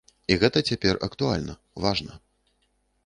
І гэта цяпер актуальна, важна.